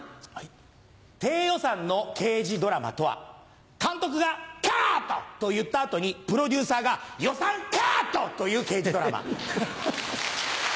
低予算の刑事ドラマとは監督が「カット！」と言った後にプロデューサーが「予算カット！」と言う刑事ドラマ。